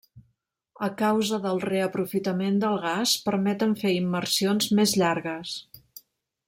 A causa del reaprofitament del gas permeten fer immersions més llargues.